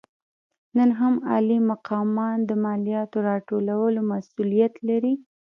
نن هم عالي مقامان د مالیاتو راټولولو مسوولیت لري.